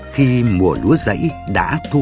khi mùa lúa dãy đã thu hút